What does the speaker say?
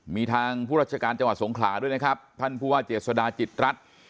มีทางผู้ราชการจังหวัดสงขลาด้วยนะครับท่านผู้ว่าเจษฎาจิตรัฐ